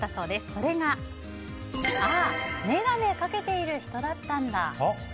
それが、ああ眼鏡かけている人だったんだ。